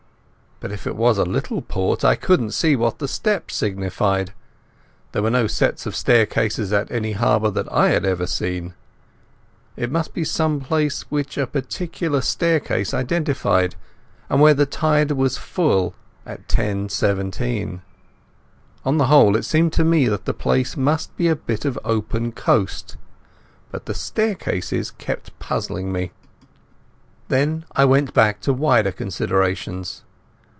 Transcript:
But if it was a little port I couldn't see what the steps signified. There were no sets of staircases on any harbour that I had ever seen. It must be some place which a particular staircase identified, and where the tide was full at 10.17. On the whole it seemed to me that the place must be a bit of open coast. But the staircases kept puzzling me. Then I went back to wider considerations.